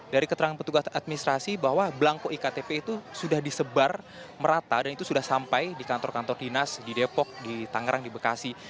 dari keterangan petugas administrasi bahwa belangko iktp itu sudah disebar merata dan itu sudah sampai di kantor kantor dinas di depok di tangerang di bekasi